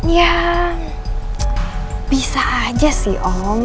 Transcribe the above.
ya bisa aja sih om